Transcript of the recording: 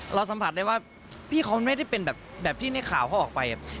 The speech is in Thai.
สัมผัสได้ว่าพี่เขาไม่ได้เป็นแบบที่ในข่าวเขาออกไป